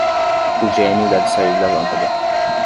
O gênio deve sair da lâmpada